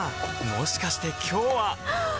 もしかして今日ははっ！